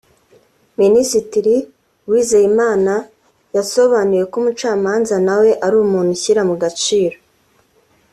Minisitiri Uwizeyimana yasobanuye ko umucamanza nawe ari umuntu ushyira mu gaciro